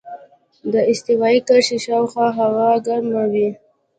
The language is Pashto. د استوایي کرښې شاوخوا هوا ګرمه وي.